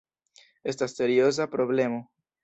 Estas serioza problemo.